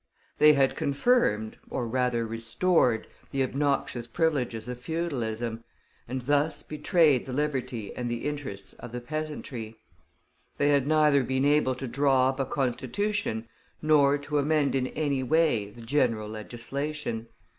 They had confirmed, or rather restored, the obnoxious privileges of feudalism, and thus betrayed the liberty and the interests of the peasantry. They had neither been able to draw up a Constitution, nor to amend in any way the general legislation.